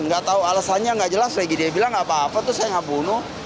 nggak tahu alasannya nggak jelas lagi dia bilang gak apa apa tuh saya nggak bunuh